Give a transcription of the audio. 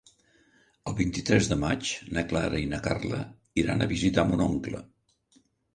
El vint-i-tres de maig na Clara i na Carla iran a visitar mon oncle.